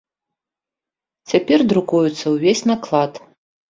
Цяпер друкуецца ўвесь наклад.